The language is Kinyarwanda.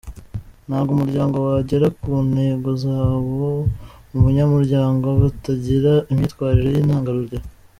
Ntabwo umuryango wagera ku ntego zawo abanyamuryango batagira imyitwarire y’intangarugero.